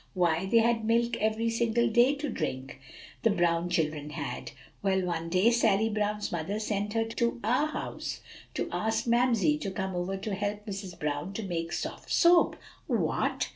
Why, they had milk every single day to drink the Brown children had. Well, one day Sally Brown's mother sent her to our house to ask Mamsie to come over to help Mrs. Brown to make soft soap." "_What!